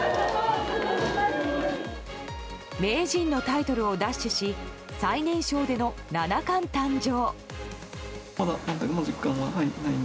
名人のタイトルを奪取し最年少での七冠誕生。